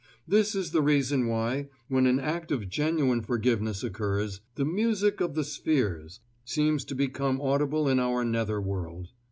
This is the reason why, when an act of genuine forgiveness occurs, "the music of the spheres" seems to become audible in our nether world.